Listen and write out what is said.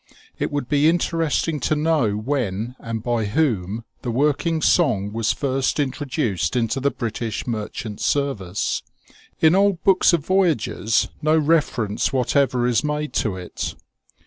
It would be interesting to know when and by whom the working song was first introduced into the British Merchant Service. In old books of voyages no reference whatever is made to it.